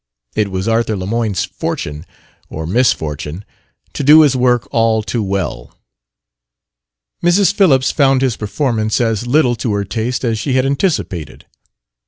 It was Arthur Lemoyne's fortune or misfortune to do his work all too well. Mrs. Phillips found his performance as little to her taste as she had anticipated.